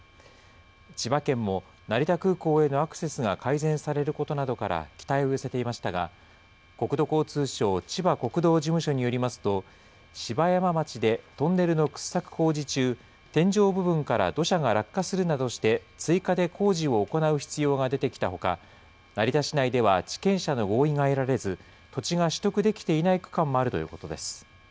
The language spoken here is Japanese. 千葉県も、成田空港へのアクセスが改善されることなどから、期待を寄せていましたが、国土交通省千葉国道事務所によりますと、芝山町でトンネルの掘削工事中、天井部分から土砂が落下するなどして、追加で工事を行う必要が出てきたほか、成田市内では地権者の合意が得られず、土地が取得できていない区間もあるということです。